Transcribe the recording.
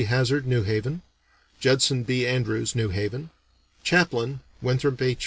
Hazzard, New Haven; Judson B. Andrews, New Haven; chaplain, Winthrop H.